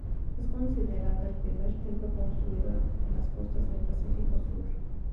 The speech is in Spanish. Es considerada el primer templo construido en las costas del Pacífico Sur.